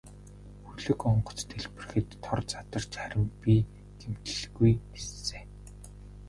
Хөлөг онгоц дэлбэрэхэд тор задарч харин би гэмтэлгүй ниссэн.